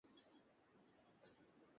বল, আমি ঠিক কাজটাই করেছি।